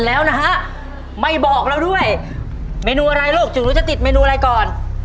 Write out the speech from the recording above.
แล้วนะฮะไม่บอกเราด้วยเมนูอะไรลูกถึงรู้จะติดเมนูอะไรก่อน